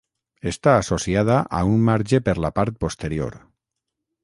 Està associada a un marge per la part posterior.